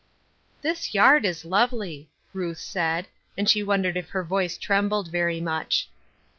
"This yard is lovely," Ruth said, and she wondered if her voice trembled very much.